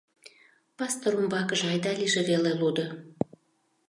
Пастор умбакыже айда-лийже веле лудо.